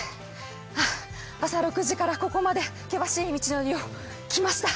朝６時からここまで険しい道のりをきました。